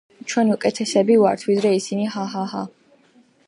ჩვენ უკეთესები ვართ ვიდრე ისინი ჰაჰა